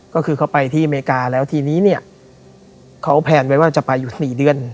ก็คือเขาไปที่อเมริกาแล้วทีนี้เนี่ยเขาแพลนไว้ว่าจะไปอยู่๔เดือน